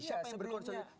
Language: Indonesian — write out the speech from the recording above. siapa yang berkonsolidasi